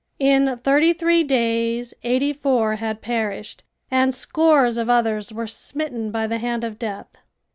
In thirty three days eighty four had perished and scores of others were smitten by the hand of death.